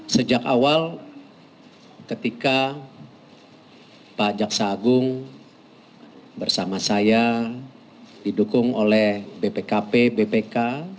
sejak awal ketika pak jaksa agung bersama saya didukung oleh bpkp bpk